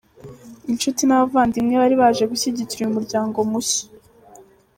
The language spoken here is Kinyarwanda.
Inshuti n’abavandimwe bari baje gushyigikira uyu muryango mushya.